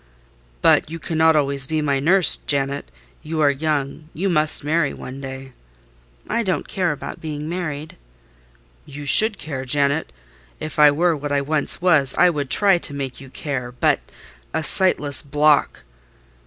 "But you cannot always be my nurse, Janet: you are young—you must marry one day." "I don't care about being married." "You should care, Janet: if I were what I once was, I would try to make you care—but—a sightless block!"